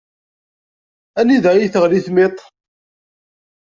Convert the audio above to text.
Anida iyi-teɣli timiṭ?